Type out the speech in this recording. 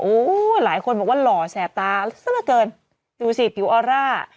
โอ้โหหลายคนบอกว่าหล่อแสบตาซะละเกินดูสิผิวออร่า